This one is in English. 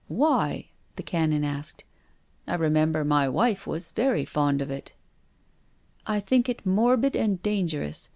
" Why ?" the Canon asked. " I remember my wife was very fond of it." " I think it morbid and dangerous.